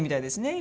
今。